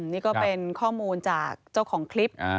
นี่ก็เป็นข้อมูลจากเจ้าของคลิป